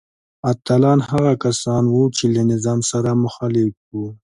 اتلان هغه کسان وو چې له نظام سره مخالف وو.